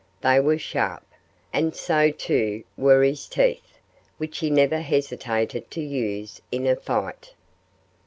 They were sharp. And so, too, were his teeth, which he never hesitated to use in a fight.